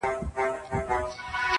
• ګناه بل وکړي کسات یې له ما خېژي,